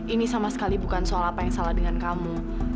ini sama sekali bukan soal apa yang salah dengan kamu